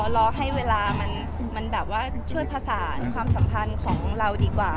รอให้เวลามันแบบว่าช่วยผสานความสัมพันธ์ของเราดีกว่า